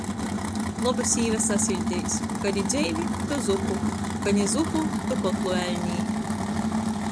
Loba sīva sasiļdeis. Ka ni dzeivi, to zupu. Ka ni zupu, to kotlu eļnē.